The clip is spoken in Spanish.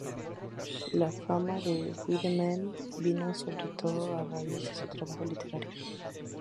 La fama de Wiedemann vino sobre todo a raíz de su trabajo literario.